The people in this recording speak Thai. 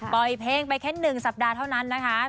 ปล่อยเพลงไปแค่๑สัปดาห์เท่านั้นนะคะ